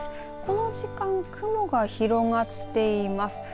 この時間、雲が広がっています。